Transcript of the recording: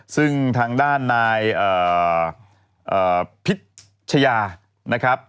ซึ่งทางด้านนายพิษชยา